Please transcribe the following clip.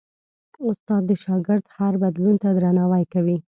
استاد د شاګرد هر بدلون ته درناوی کوي.